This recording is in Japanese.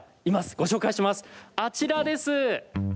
ご紹介します、あちらです。